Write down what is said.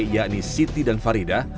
yakni siti dan farida